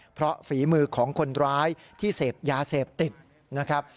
เพราะฝีมือของคนร้ายที่เสพยาเสพติดนะครับ